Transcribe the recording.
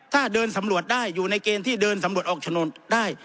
ถ้าเดินสำรวจได้อยู่ในเกณฑ์ที่เดินสำรวจออกโฉนดได้